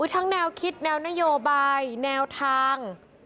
ทั้งแนวคิดแนวนโยบายแนวทาง